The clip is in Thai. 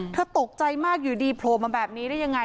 ตกใจมากอยู่ดีโผล่มาแบบนี้ได้ยังไง